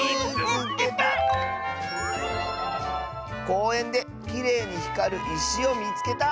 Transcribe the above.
「こうえんできれいにひかるいしをみつけた！」。